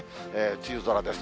梅雨空です。